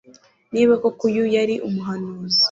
Niba koko uyu yari umuhanuzi,